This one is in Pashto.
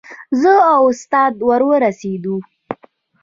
زه او استاد ور ورسېدو.